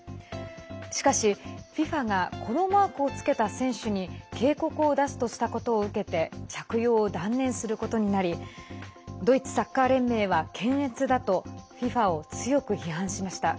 しかし、ＦＩＦＡがこのマークをつけた選手に警告を出すとしたことを受けて着用を断念することになりドイツサッカー連盟は検閲だとＦＩＦＡを強く批判しました。